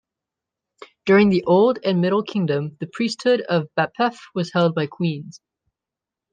During the Old and Middle Kingdom the priesthood of Bapef was held by queens.